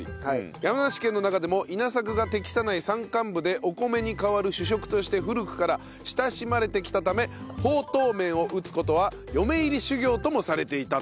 山梨県の中でも稲作が適さない山間部でお米に代わる主食として古くから親しまれてきたためほうとう麺を打つ事は嫁入り修業ともされていたと。